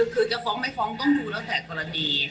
คือจะฟ้องไม่ฟ้องต้องดูแล้วแต่กรณี